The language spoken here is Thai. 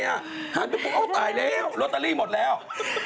หันไปบอกโอ้ตายแล้วลอตเตอรี่หมดแล้ว